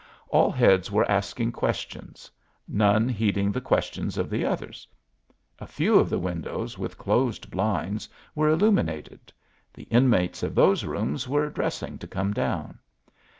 All heads were asking questions, none heeding the questions of the others. A few of the windows with closed blinds were illuminated; the inmates of those rooms were dressing to come down.